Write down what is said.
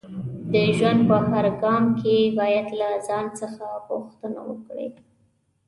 د ژوند په هر ګام کې باید له ځان څخه پوښتنه وکړئ